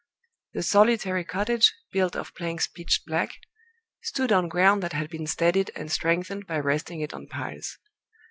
The solitary cottage, built of planks pitched black, stood on ground that had been steadied and strengthened by resting it on piles.